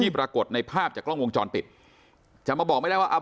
ปรากฏในภาพจากกล้องวงจรปิดจะมาบอกไม่ได้ว่าเอา